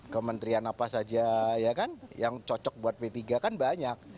kementerian apa saja ya kan yang cocok buat p tiga kan banyak